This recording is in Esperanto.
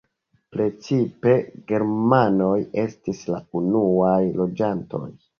Precipe germanoj estis la unuaj loĝantoj.